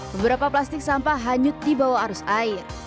beberapa plastik sampah hanyut di bawah arus air